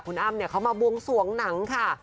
คุณอ้ำเขามาบวงสวงหนังค่ะ